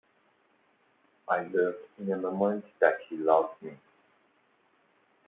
I learned in a moment that he loved me.